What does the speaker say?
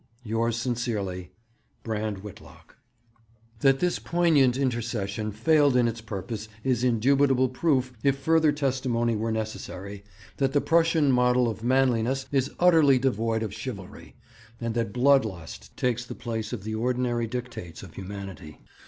'Yours sincerely, 'BRAND WHITLOCK.' That this poignant intercession failed in its purpose is indubitable proof, if further testimony were necessary, that the Prussian model of manliness is utterly devoid of chivalry, and that blood lust takes the place of the ordinary dictates of humanity.